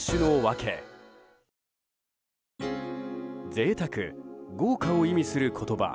贅沢、豪華を意味する言葉